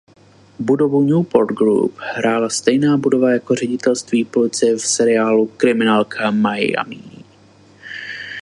Budovu Newport Group "hrála" stejná budova jako ředitelství policie v seriálu "Kriminálka Miami".